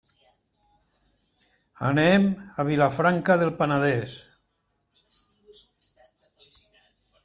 Anem a Vilafranca del Penedès.